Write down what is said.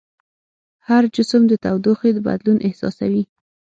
هر جسم د تودوخې بدلون احساسوي.